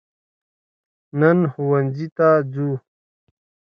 نن ښوونځي ته ځو